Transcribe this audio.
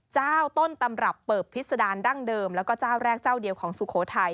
ต้นตำรับเปิบพิษดาลดั้งเดิมแล้วก็เจ้าแรกเจ้าเดียวของสุโขทัย